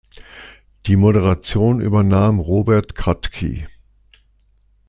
Die Moderation übernahm Robert Kratky.